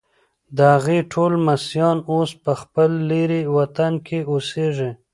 د هغې ټول لمسیان اوس په خپل لیرې وطن کې اوسیږي.